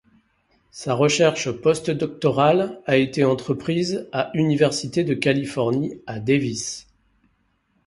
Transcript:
Sa recherche post-doctorale a été entreprise à Université de Californie à Davis.